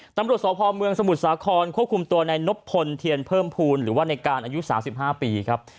ตำรวจสพเมืองสมุทรสาครควบคุมตัวในนบพลเทียนเพิ่มภูมิหรือว่าในการอายุ๓๕ปีครับ